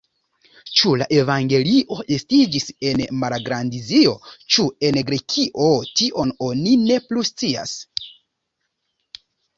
Ĉu la evangelio estiĝis en Malgrandazio, ĉu en Grekio, tion oni ne plu scias.